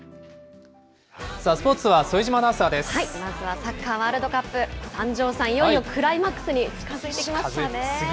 サッカーワールドカップ、三條さん、いよいよクライマックスに近づいてきましたね。